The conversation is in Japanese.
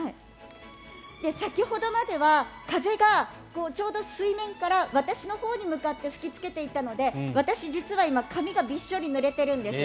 先ほどまでは風がちょうど水面から私のほうに向かって吹きつけていたので私、実は今、髪がびっしょりぬれているんです。